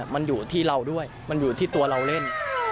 มันอยู่ที่เราด้วยมันอยู่ที่ตัวเราเล่น